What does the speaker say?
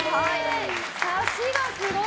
サシがすごい！